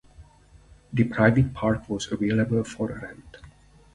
The private park was available for rent.